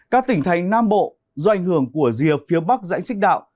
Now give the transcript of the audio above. các tỉnh thành nam bộ do ảnh hưởng của rìa phía bắc dãy xích đạo